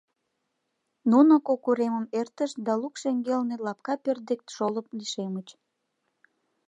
Нуно кок уремым эртышт да лук шеҥгелне лапка пӧрт дек шолып лишемыч.